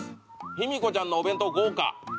「ひみこちゃんのお弁当豪華！」